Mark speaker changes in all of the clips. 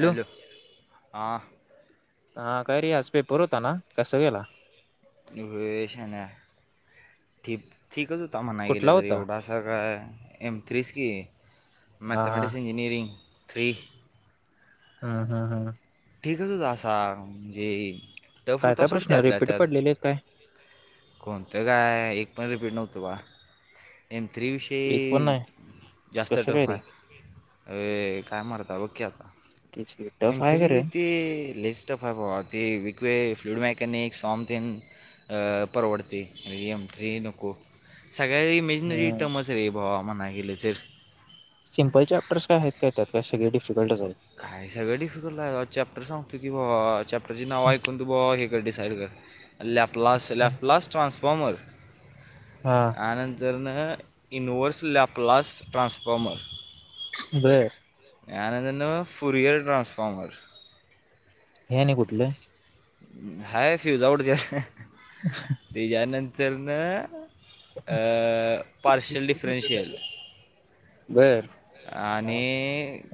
Speaker 1: Hello [unintelligible] हा.
Speaker 2: हा, काय रे आज पेपर होता ना कसं गेला?
Speaker 1: व्हय शाण्या ठीक, ठीकच होता म्हणा
Speaker 2: कुठला
Speaker 1: गेलं तर
Speaker 2: होता
Speaker 1: एवढा सगळं एम थ्रीच की
Speaker 2: हा हा
Speaker 1: मॅथमॅटिक्स इंजिनिअरिंग थ्री
Speaker 2: हं, हं, हं.
Speaker 1: ठीकच होता असा म्हणजे टफ
Speaker 2: काय
Speaker 1: होता
Speaker 2: काय
Speaker 1: सोड
Speaker 2: प्रश्न
Speaker 1: त्यातल्या
Speaker 2: रिपीट
Speaker 1: त्यात
Speaker 2: पडलेले आहेत काय
Speaker 1: कोणतं काय एक पण रिपीट नव्हतं बा एम थ्री
Speaker 2: एक पण नाही
Speaker 1: विषय जास्त
Speaker 2: कसं
Speaker 1: टफ
Speaker 2: काय रे
Speaker 1: हाय. अय काय मर्दा हो की आता
Speaker 2: तेच की, टफ
Speaker 1: एम
Speaker 2: हाये का रे?
Speaker 1: थ्री ते लईच टफ हाय भावा ते [unintelligible] फीडबॅक फ्लूड मेकॅनिक्स [unintelligible] अ परवडती एम थ्री नको सगळयात मेशनरी टर्मच है रे भावा म्हनाया गेलं तरी
Speaker 2: सिम्पल चॅप्टर्स काय आहेत काय त्यात का सगळे डिफिकल्ट हेत?
Speaker 1: काय सगळं डिफिकल्ट ए चॅप्टर सांगतो की भावा चॅप्टरचे नावं ऐकून तू भावा तू डीसाईड कर लॅपलॉस, लॅपलॉस ट्रांसफॉर्मर
Speaker 2: हा.
Speaker 1: आनंद सरन इनव्हर्स, लॅपलास, ट्रान्सफॉर्मर
Speaker 2: बरं.
Speaker 1: [unintelligible] फुरीयर ट्रानसफॉमर
Speaker 2: हे आणि कुठलं?
Speaker 1: हाय फ्यूजा आऊड
Speaker 2: [inaudible]
Speaker 1: त्याच्या नंतर ना अ पार्शल डिफरन्शियल
Speaker 2: बरं.
Speaker 1: आणि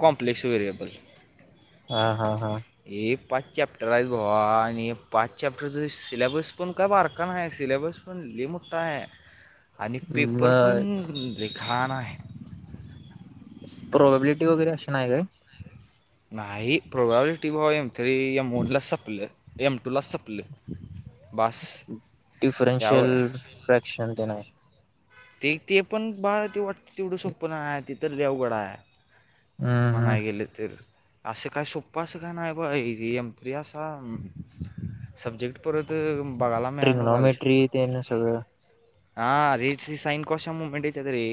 Speaker 1: कॉम्प्लेक्स वेहेरिएबल
Speaker 2: आ, हा, हा.
Speaker 1: हे पाच चॅप्टर आहेत भावा आणि हे पाच चॅप्टरचं सिलेबस पण काय बारका नाही आहे सिलेबस पण लय मोठा आहे.
Speaker 2: ह [inaudible]
Speaker 1: आणि पेपर पण लिखणार आहे.
Speaker 2: प्रॉबेबिलिटी वगैरे अशीं नाही काय?
Speaker 1: नाही प्रोबाबिलिटी भा एम थ्री एम वनलाच सपले, एम टूलाच सपले.
Speaker 2: डिफरेन्शियल,
Speaker 1: यावर
Speaker 2: फ्रॅक्शन ते नाही.
Speaker 1: ते ते पण बाळ ते वाटतय तेवड सोप्पनाय ति तर अवगडाय
Speaker 2: हम्म हम्म
Speaker 1: मनाय गेल तर असं काय सोप्पं असं का नाही बाइ एमथ्री असा सब्जेक्ट परत बगायला मिळायला नको आयुष्यात
Speaker 2: ट्रिग्नॉमेट्री ते ना सगळं
Speaker 1: हा रेट सी साईन काॅस्ट च्या मुमेंट येत्यात रे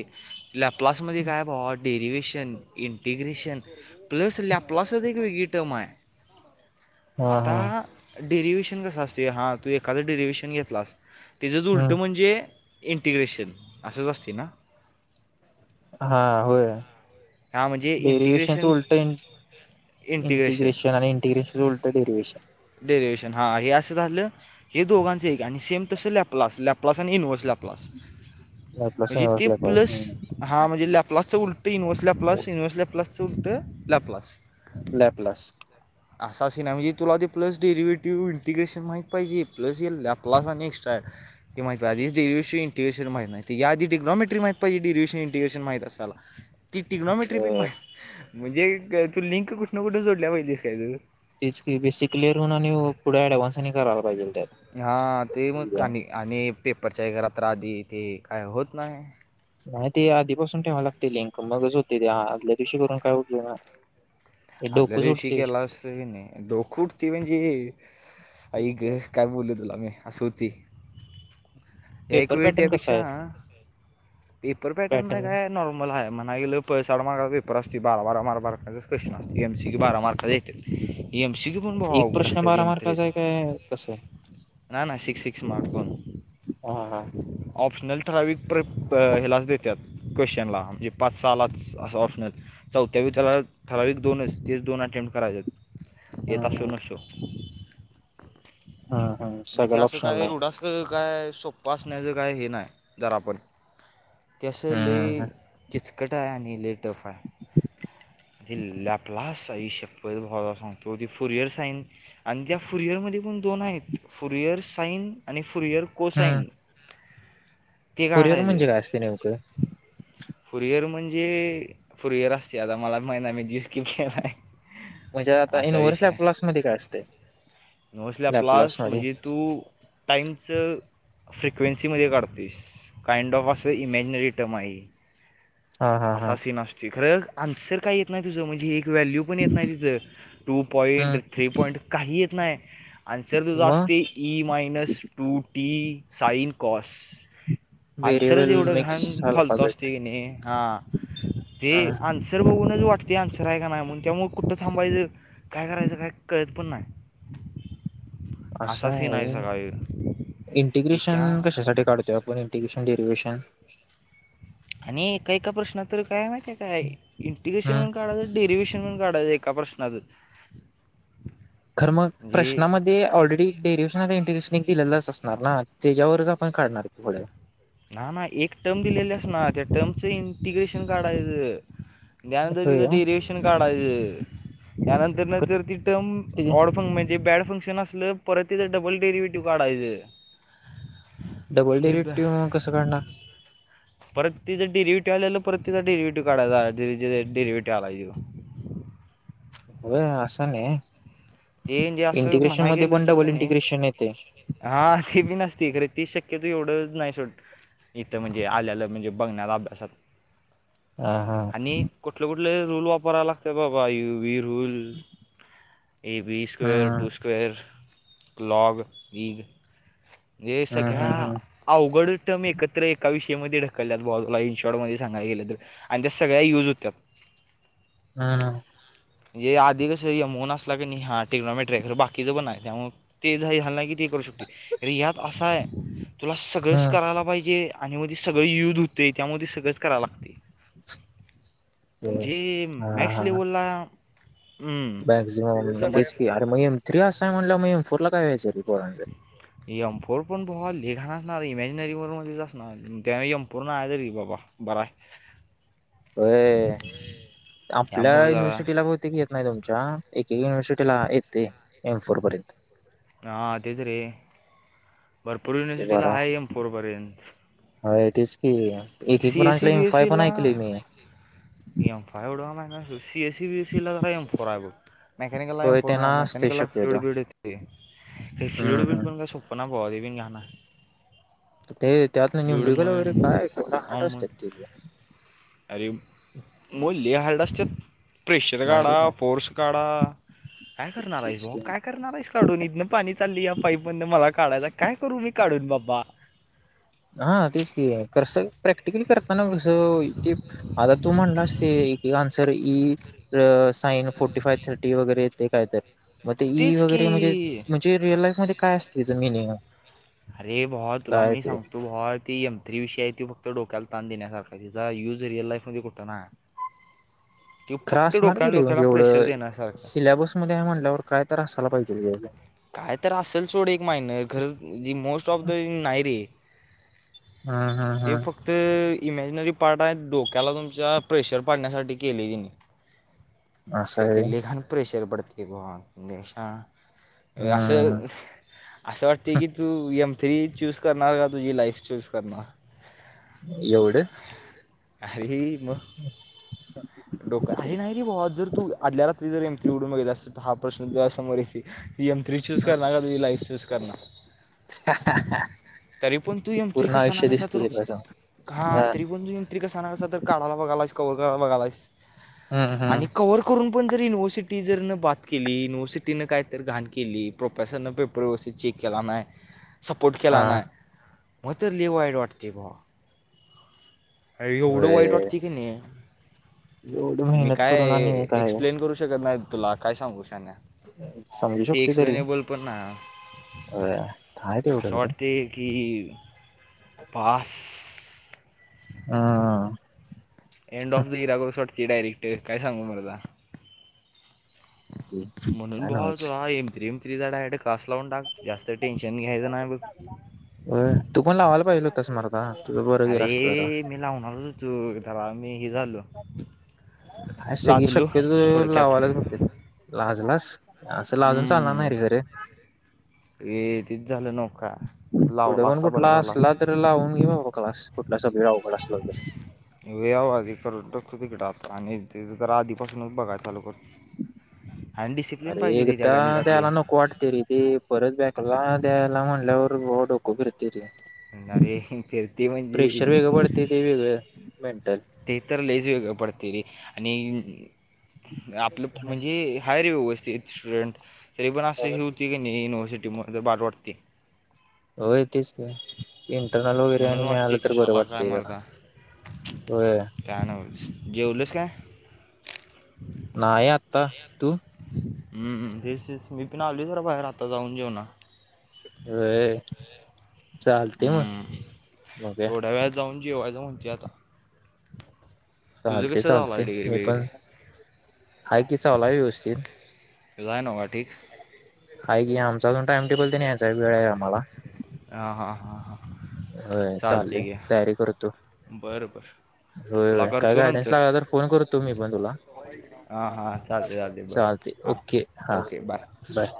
Speaker 1: लॅप क्लास मदे काय भावा derivation integration plus Laplace च एक वेगवेगळी टमाय
Speaker 2: हा
Speaker 1: आता
Speaker 2: हा
Speaker 1: डेरिवहेशन कसं असतय हां तू एखादं डरिवएशन घेतलास. तिजच
Speaker 2: हम्म
Speaker 1: उलटं म्हणजे इंटिग्रेशन असंच असतय ना.
Speaker 2: हा होय
Speaker 1: हां म्हणजे
Speaker 2: डेरिवशनच
Speaker 1: इंटिग्रेशन
Speaker 2: उलट इंटि [unintelligible] इंटिग्रेशन आणि इंटिग्रेशन उलट डेरिवेशन
Speaker 1: डेरीवेशन हां हे अस झाल हे दोघांच एक आणि सेम तसं लॅपलास लॅपलास आणि इनवर्स लॅपलास
Speaker 2: लॅपलास
Speaker 1: म्हणजे
Speaker 2: युनिव्हर्स
Speaker 1: ते प्लस
Speaker 2: लॅपलास
Speaker 1: हा म्हणजे लॅप्लासच उलटं universe Laplace universe Laplace plus उलट लॅपलास
Speaker 2: लॅपलास
Speaker 1: असा सिनाय म्हणजे तुला ते प्लस डेरिवेटिव्ह इंटिग्रेशन माहीत पाइजे प्लस ये लॅपलास आणि एक्स्ट्रा माहितवाय आदिच डिरीवेशन इंटरेशन माइत नाय या आधी डिग्नाॅमेट्री माहित पाइजे डेरिवेशन इंटिरेशन माहीत असायला
Speaker 2: [inaudible]
Speaker 1: ती टिकग्नॉमेट्री पण माहि म्हणजे तू लिंक कुटनं कुट जोडल्या बघितलीस काय तु
Speaker 2: तेच कि बेसिक क्लिअर हुन आणि पुढ ऍडव्हान्स आनी करायला पाइजे.
Speaker 1: हा ते मग आणि आणि पेपरच्या एक रात्र आधी ते काय होत नाय
Speaker 2: नाही ते आधीपासून ठेवाय लागतय लिंक मगच होतय ते आ आदल्या दिवशी करून काय उपयोग नाय
Speaker 1: आदल्या दिवशी केलास तर कनी डोक उठतय म्हणजे आई ग. काय बोलू तला मी आस होतय या एक
Speaker 2: पेपर
Speaker 1: वेळी
Speaker 2: पॅटर्न कसा
Speaker 1: त्यापेक्षा
Speaker 2: आहे
Speaker 1: पेपर पॅटरन
Speaker 2: पॅटर्न
Speaker 1: काय नॉर्मल हाय म्हणाय गेलं पळसाठ माराय पेपर असतोय बारा बारा मारका बाराच क्वेश्चन असतय एम सी क्यु बार मार्काच येत्यात एम सी क्यू पण भावा
Speaker 2: एक
Speaker 1: अवघड
Speaker 2: प्रश्न
Speaker 1: असत्यात
Speaker 2: बारा
Speaker 1: यम थ्री
Speaker 2: मार्काचा
Speaker 1: च
Speaker 2: आहे काय कसं
Speaker 1: ना ना सिक्स सिक्स [unintelligible]
Speaker 2: हा हा
Speaker 1: ऑप्शनल ठराविक प्रब हेलाच देत्यात क्वेश्चनला म्हजे पाच सालाच अस ऑप्शनल चौथ्यावी त्याला ठराविक दोनच तेच दोन अटेम्प्ट करायचत
Speaker 2: हा
Speaker 1: येत असो
Speaker 2: हा
Speaker 1: नशो
Speaker 2: हा हा
Speaker 1: तिथ
Speaker 2: सगळं
Speaker 1: असं
Speaker 2: ऑप्शनल
Speaker 1: काय
Speaker 2: नाही
Speaker 1: एवड अस काय सोप्पं असण्याचं काय हे नाय जरा पण ते असं लइ
Speaker 2: हम्म
Speaker 1: किचकटायआणि लइ टफ हाय ती लॅपलास आइ शप्पथ भावा तुला सांगतो ते फरियर साइन आणि त्या फुरिअर मदे पण दोन हाइत फुरिअर साईन आणि फुरियर
Speaker 2: हम्म
Speaker 1: कोसाईन ते
Speaker 2: कुरिअर
Speaker 1: काडायच
Speaker 2: म्हणजे काय असते नेमकं
Speaker 1: फुरइयर म्हणजे फुरइयर असतय आता मला ब माहित नाय मी द स्किप केलाय
Speaker 2: म्हणजे आता इनव्हर्स लॅप्लॉस मदे काय असतय
Speaker 1: मोस्टली
Speaker 2: लॅपलास
Speaker 1: आपलास
Speaker 2: मदे
Speaker 1: म्हणजे तू टाईमच फ्रिक्वेन्सीमध्ये काढतोयस काइंड ऑफ असं इमॅजनरी टम आहे.
Speaker 2: हा हा हा
Speaker 1: असा सीन असतोय खरं आन्सर काय येत नाय तुज म्हणजे एक व्हॅल्यू पण येत नाही तिचं टु पाॅईंट
Speaker 2: हम्म
Speaker 1: थ्री पाॅईंट काही येत नाही आणि सर सुद्धा अस
Speaker 2: मग
Speaker 1: e minus two t sine cos आन्सरच
Speaker 2: व्हेरिएबल
Speaker 1: एवढं
Speaker 2: मिक्स
Speaker 1: घाण फलतू
Speaker 2: अल्फाबेट
Speaker 1: असतोय की नाही हा ते
Speaker 2: हा
Speaker 1: आन्सर बघूनच वाटते आन्सर आहे का नाही म्हणून त्यामुळं कुठं थांबायचं काय करायचं काय कळत पण नाही.
Speaker 2: असं
Speaker 1: असा
Speaker 2: आहे
Speaker 1: सीन
Speaker 2: होय
Speaker 1: सगळा हे त्या
Speaker 2: इंटिग्रेशन कशासाठी काढतो आपण इंटिग्रेशन डेरीविशन
Speaker 1: आणि एका एका प्रश्नात तर काय माहिती आहे काय इंटिग्रेशन
Speaker 2: हम्म
Speaker 1: म्हण काढायचं डेरीविशन म्हणून काढायचं एका प्रश्नाचं
Speaker 2: खर मग
Speaker 1: म्हणजे
Speaker 2: प्रश्नामध्ये ते ऑलरेडी डेरिविशन इंटिग्रेशन एक दिलेलंच असणार ना त्याच्यावरच आपण काढणार. पुढे
Speaker 1: नाही नाही एक टर्म दिलेले असनार त्या टर्मच इंटिग्रेशन काढायचं जाउंदे
Speaker 2: होय
Speaker 1: तिथं डेरिविशन काढायचं त्यानंतर न
Speaker 2: का
Speaker 1: तर ती टर्म ऑड फं म्हणजे बॅड फंक्शन असत लगेच परत तिथं डबल डेरिव्हेटिव्ह काढायचं
Speaker 2: डबल
Speaker 1: ते ब
Speaker 2: डेरिव्हेटिव्ह कसं काढणार.
Speaker 1: परत तिथे डेरिव्हेटीव्ह आलेला परत तिथं डेरिव्हेटीव्ह काढायच तिथं जो डेरिव्हेटिव्ह आलाय तिथं
Speaker 2: हो असं नाही
Speaker 1: ते म्हणजे असं
Speaker 2: इंटिग्रेशन मध्ये पण डबल इंटिग्रेशन येतय
Speaker 1: हा ती बी नसतय खरं तीच शक्यतो एवढंच नाही सोड इथं म्हणजे आल्यालं म्हणजे बघण्याला अभ्यासात
Speaker 2: हा हा
Speaker 1: आणि कुठले कुठले रूल वापरायला लागतय बाबा U V rule will A B square
Speaker 2: हम्म
Speaker 1: टू स्क्वेअर क्लॉग विग हे
Speaker 2: हम्म
Speaker 1: सगळा
Speaker 2: हम्म
Speaker 1: अवघड येतय म एकत्र एका विषय मध्ये ढकलल्यात बुवा तुला इनशाॅर्ट मध्ये सांगाय गेलं तर आणि त्या सगळ्या यूज होत्यात.
Speaker 2: हा हा
Speaker 1: म्हणजे आधी कसं एम वन असला कनी हा टेक्नोमेट्री आहे खर बाकीचं पण आहे त्यामुळे ते झालं की हे नाही की ते करू शकतोय खरं यात असं आहे तुला सगळंच
Speaker 2: हम्म
Speaker 1: करायला पाहिजे. आणि मग ते सगळं यूज होतय त्यामुळं ते सगळंच करावं लागतय
Speaker 2: हम्म
Speaker 1: जी
Speaker 2: हा
Speaker 1: मॅक्स
Speaker 2: हा
Speaker 1: लेवलला.
Speaker 2: मॅक्झिमम तेच
Speaker 1: समज
Speaker 2: की अरे एम थ्री असय म्हंटल्यावर मग एम फोर ला काय व्हायचं रे पोरांच
Speaker 1: एम फोर पण तुम्हाला नई घाण असणार आहे इमोजमॅज वाणीच असणार आहे त्यावेळी एम फोर नाही तरी बाबा बराय
Speaker 2: होय आपल्या
Speaker 1: त्यामुळे जरा
Speaker 2: युनिव्हर्सिटीला मग तेच येत नाही तुमच्या एक एक युनिव्हर्सिटीला येतय एम फोर पर्यंत
Speaker 1: हा तेच रे भरपूर
Speaker 2: ते
Speaker 1: युनिव्हर्सिटीला
Speaker 2: बरं
Speaker 1: आहे एम फोर पर्यंत
Speaker 2: होय तेच की एक एक पण
Speaker 1: एस सी
Speaker 2: ऐकलोय एम
Speaker 1: बी एस
Speaker 2: फाय पण
Speaker 1: सीला
Speaker 2: ऐकलोय मी
Speaker 1: एम फाईव एवढं काय माहीत नाही C S C B S C काय एम फाईव आहे बघ मेकॅनिकलला
Speaker 2: होय
Speaker 1: फोन आहे
Speaker 2: त्यांना असते
Speaker 1: मेकॅनिकलला फ्ल्युड
Speaker 2: शक्यतो
Speaker 1: बिड येतय फ्ल्यूड
Speaker 2: हम्म
Speaker 1: बिड
Speaker 2: हम्म
Speaker 1: पण पुन्हा बुवा रिव्हींग येणार
Speaker 2: ते त्यातनं मेमरी गेल्यावर
Speaker 1: म्हण
Speaker 2: काय ते हार्ड
Speaker 1: ऑम म्हण
Speaker 2: असतेत की काय
Speaker 1: अरे मग लई हार्ड असत्यात प्रेशर
Speaker 2: नाही तर
Speaker 1: काढा
Speaker 2: काय
Speaker 1: फोर्स काढा काय करणार आहे
Speaker 2: तेच
Speaker 1: बुवा
Speaker 2: की.
Speaker 1: काय करणार आहेस. काढून इथनं पाणी चाललीया पाईप मधनं मला काढायचाय काय करू मी काढून बाबा
Speaker 2: हा तेच की कसय प्रॅक्टिकली करताना कसं ते आता तू म्हणलास ते एक एक आन्सर इ अ साइन फोर्टी फाईव थर्टी वैगेरे येतंय कायतर, मग ती इ
Speaker 1: तेच
Speaker 2: वैगेरे म्हणजे
Speaker 1: की
Speaker 2: चे रिअल लाईफ मध्ये काय असतंय याचं मिनिंग?
Speaker 1: अरे भावा तुला
Speaker 2: काय
Speaker 1: मी
Speaker 2: ते
Speaker 1: सांगतो भावा ती एम थ्री विषय आहे तो फक्त डोक्याला ताण देण्यासारखा हाय, त्याचा युज रिअल लाईफ मध्ये कुठं नाय.
Speaker 2: खरं आसणार की रे ऐवढं
Speaker 1: देण्यासारखं आहे.
Speaker 2: सिल्याबस मध्ये हाय म्हणल्यावर कायतर असायला पाहिजे की [unintelligible]
Speaker 1: कायतर असल सोड एक माईनं खरं, जी मोस्ट ऑफ द नाही रे.
Speaker 2: हम्म हम्म हम्म.
Speaker 1: फक्त ते इमॅजिनरी पार्ट हाय, डोक्याला तुमच्या प्रेशर पाडण्यासाठी केलंय ह्यानी.
Speaker 2: [inaudible]
Speaker 1: खरं ते
Speaker 2: आहे
Speaker 1: लय घाण प्रेशर पडतंय भावा [unintelligible]
Speaker 2: हम्म
Speaker 1: आसं असं वाटतंय की तू एम थ्री चूस करणार का तुझी लाईफ चूस करणार?
Speaker 2: एवढं?
Speaker 1: अरे मग डोक, आरे नाही रे भुवा जर तू आदल्या रात्री जर एम थ्री उघडून बघितला असती तर हा प्रश्न डोळ्यासमोर [unintelligible] तु एम थ्री चूज करणार का तुझी लाईफ चूज करणार? तरी पण तू एम थ्री तरी
Speaker 2: पूर्ण
Speaker 1: कसा ना
Speaker 2: आयुष्य
Speaker 1: कसा तर,
Speaker 2: दिसते त्याच हा
Speaker 1: हा तरी पण तू एम तरी कसा ना कसा तर काढाला बघालायस कव्हर कराला बघालायस
Speaker 2: हम्म
Speaker 1: आणि
Speaker 2: हम्म
Speaker 1: कव्हर करून पण जर युनिव्हर्सिटी जर बात केली, युनिव्हर्सिटीनं काय तर घाण केली प्रोफेसरनं बिपेस‌ पर व्यवस्थित चेक केला नाय.
Speaker 2: [inaudible]
Speaker 1: सपोर्ट
Speaker 2: हा
Speaker 1: केला नाही, मग तर लय वाईट वाटते भावा. अय एवढं
Speaker 2: होय
Speaker 1: वाईट वाटतं की नाही.
Speaker 2: एवढी
Speaker 1: मी
Speaker 2: मेहनत
Speaker 1: काय
Speaker 2: करून आणि काय
Speaker 1: एक्सप्लेन करू शकत नाही तुला, काय सांगू शहाण्या.
Speaker 2: समजू
Speaker 1: ते
Speaker 2: शकते तरी
Speaker 1: एक्सप्लेनेबल पण नाय,
Speaker 2: होय आहे
Speaker 1: असं
Speaker 2: तेवढं तरी
Speaker 1: वाटते की, पास
Speaker 2: हम्म.
Speaker 1: एंड ऑफ द इरा करुशी वाटतंय डायरेक्ट, काय सांगू मर्दा.
Speaker 2: काय
Speaker 1: म्हणून भावा
Speaker 2: नव्हच
Speaker 1: तुझा एम थ्री एम थ्रीचा डायरेक्ट क्लास लावून टाक, जास्त टेन्शन घ्यायचं नाही बघ.
Speaker 2: व्हय, तू पण लावायला पाहिजेल हुतास मर्दा. तुझं बरं गेलं
Speaker 1: अरे
Speaker 2: असतं जरा
Speaker 1: मी लावणारच होतो तवा मी ही झालो.
Speaker 2: हा सगळी
Speaker 1: लाजलो
Speaker 2: शक्यतो
Speaker 1: थोडक्यात
Speaker 2: लावायलाच बघतेत. लाजलास, असं लाजून चालणार नाही
Speaker 1: हम्म.
Speaker 2: रे खरं.
Speaker 1: ए तिच झालं नव का.
Speaker 2: पुढं पण कुठला असला तर लावून घेवा क्लास, कुठला सब्जेक्ट अवघड असला तर.
Speaker 1: व्हय आव आधी करून तिकडं आता आणि तिजं आधीपासूनच बघाय चालू करतो. आन डिस
Speaker 2: अरे हिथं द्यायला नको वाटतंय रे. ते परत बॅकला द्यायला म्हणल्यावर भावा डोकं फिरते रे.
Speaker 1: अरे फिरते
Speaker 2: प्रेशर
Speaker 1: म्हणजे
Speaker 2: वेगळं पडते ते वेगळं, मेंटल.
Speaker 1: ते तर लयच वेगळं पडतंय रे आणि आपलं म्हणजे हाय रे व्यवस्थित स्टुडंट, तरी पण असं ही होती की नाही युनिव्हर्सिटीमध्ये बाद वाटते.
Speaker 2: होय तेच की. इंटरनल वगैरे
Speaker 1: म्हणून
Speaker 2: आणि मिळालं
Speaker 1: वाटते
Speaker 2: तर बरं
Speaker 1: कशाला काय
Speaker 2: वाटतंय जरा,
Speaker 1: मरता
Speaker 2: व्हय.
Speaker 1: काय नाय बघ, जेवलीस का?
Speaker 2: नाहीय आत्ता तू.
Speaker 1: हम्म [inaudible] च मी पण आल जरा बाहेर आता जाऊन [inaudible] जेवणा
Speaker 2: होय.. चालते मग
Speaker 1: हम्म.
Speaker 2: मग
Speaker 1: थोड्या वेळ जाऊन जेवायचं [inaudible] म्हणती आता. तुझं
Speaker 2: चालते,
Speaker 1: कसं झालं आहे
Speaker 2: चालते
Speaker 1: डिग्री
Speaker 2: मी
Speaker 1: बिग्री
Speaker 2: पण आहे की चलाय व्यवस्थित.
Speaker 1: [inaudible] जाय [inaudible] नि ठीक
Speaker 2: आहे की आमचा अजून टाइम टेबल तर न्यायचाय वेळ आहे आम्हाला.
Speaker 1: ह. हा. हा. हा...
Speaker 2: होय चाललोय. तयारी करतो.
Speaker 1: बरं बरं
Speaker 2: होय
Speaker 1: तुला
Speaker 2: होय काय
Speaker 1: करतो
Speaker 2: गायडन्स
Speaker 1: नंतर
Speaker 2: लागला तर फोन करतो मी पण तुला.
Speaker 1: हां हां चालते चालते
Speaker 2: चालतय.
Speaker 1: बरं हां
Speaker 2: ओके. हा. बाय.